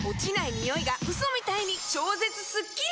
ニオイがウソみたいに超絶スッキリ‼